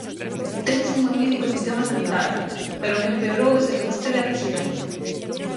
Temos un magnífico sistema sanitario, pero que empeorou desde que vostede é presidente.